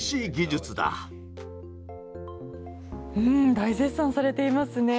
大絶賛されていますね。